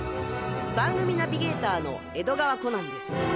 番組ナビゲーターの江戸川コナンです。